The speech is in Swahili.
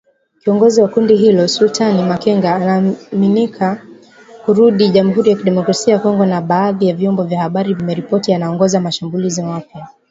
Kiongozi wa kundi hilo, Sultani Makenga anaaminika kurudi Jamhuri ya Kidemokrasia ya Kongo na badhi ya vyombo vya habari vimeripoti anaongoza mashambulizi mapya